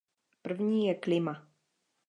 První je klima.